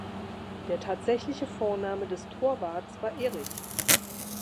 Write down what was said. Der tatsächliche Vorname des Torwarts war Erich.